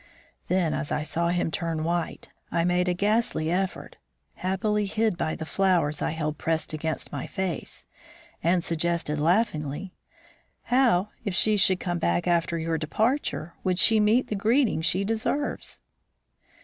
Then, as I saw him turn white, I made a ghastly effort, happily hid by the flowers I held pressed against my face, and suggested, laughingly, "How, if she should come back after your departure! would she meet the greeting she deserves?"